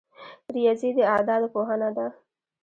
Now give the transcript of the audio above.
ریاضي د اعدادو پوهنه ده